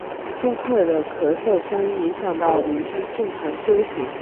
租客的咳嗽声影响到邻居正常休息